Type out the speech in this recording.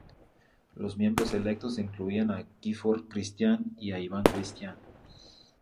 Los miembros electos incluían a Gifford Christian y a Ivan Christian.